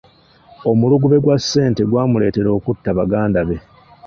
Omulugube gwa ssente gwamuleetera okutta baganda be.